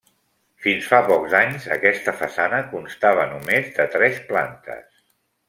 Fins fa pocs anys, aquesta façana constava només de tres plantes.